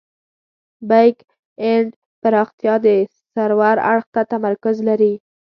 بیک اینډ پراختیا د سرور اړخ ته تمرکز لري.